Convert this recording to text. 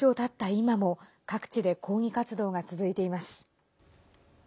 今も各地で抗議活動が続いています。